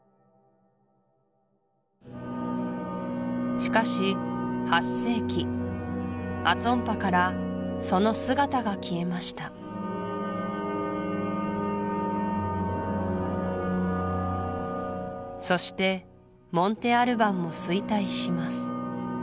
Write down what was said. しかし８世紀アツォンパからその姿が消えましたそしてモンテ・アルバンも衰退します